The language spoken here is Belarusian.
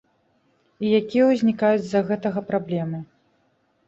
І якія ўзнікаюць з-за гэтага праблемы.